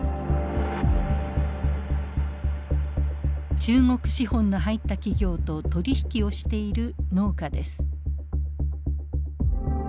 中国資本の入った企業と取り引きをしている農家です。